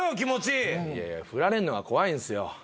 いやいやフラれんのが怖いんすよ。